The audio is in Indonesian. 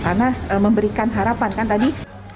karena memberikan harapan kan tadi